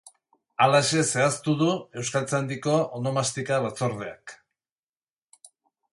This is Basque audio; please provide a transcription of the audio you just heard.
Halaxe zehaztu du Euskaltzaindiko Onomastika Batzordeak.